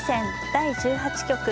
第１８局。